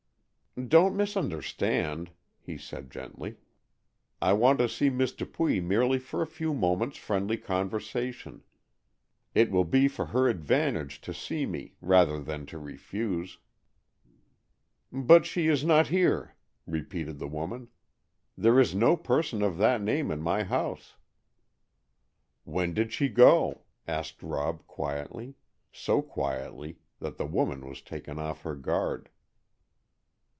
"Don't misunderstand," he said gently. "I want to see Miss Dupuy merely for a few moments' friendly conversation. It will be for her advantage to see me, rather than to refuse." "But she is not here," repeated the woman. "There is no person of that name in my house." "When did she go?" asked Rob quietly—so quietly that the woman was taken off her guard.